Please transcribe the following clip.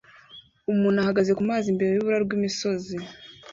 Umuntu ahagaze kumazi imbere yurubura rwimisozi